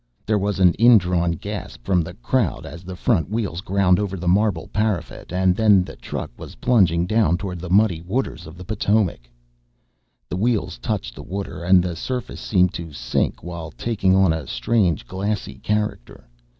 There was an indrawn gasp from the crowd as the front wheels ground over the marble parapet then the truck was plunging down toward the muddy waters of the Potomac. The wheels touched the water and the surface seemed to sink while taking on a strange glassy character.